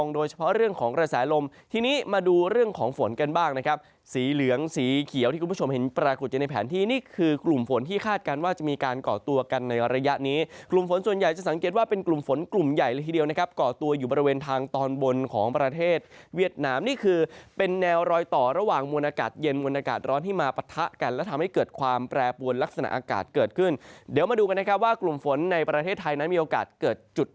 ก็คือกลุ่มฝนที่คาดการณ์ว่าจะมีการเกาะตัวกันในระยะนี้กลุ่มฝนส่วนใหญ่จะสังเกตว่าเป็นกลุ่มฝนกลุ่มใหญ่ละทีเดียวนะครับก่อตัวอยู่บริเวณทางตอนบนของประเทศเวียดนามนี่คือเป็นแนวรอยต่อระหว่างมวลอากาศเย็นมวลอากาศร้อนที่มาปะทะกันและทำให้เกิดความแปรปวนลักษณะอากาศเ